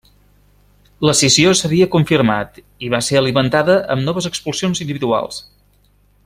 L'escissió s'havia confirmat i va ser alimentada amb noves expulsions individuals.